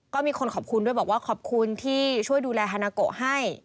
ก็มีคนขอบคุณด้วยบอกว่าขอบคุณที่ช่วยดูแลฮานาโกะให้